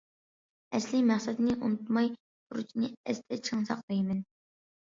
ئەسلىي مەقسەتنى ئۇنتۇماي، بۇرچنى ئەستە چىڭ ساقلايمەن.